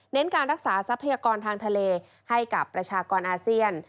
การรักษาทรัพยากรทางทะเลให้กับประชากรอาเซียน